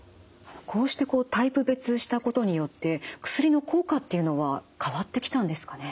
こうしてタイプ別したことによって薬の効果っていうのは変わってきたんですかね？